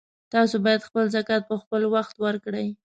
تاسو باید خپل زکات په خپلوخت ورکړئ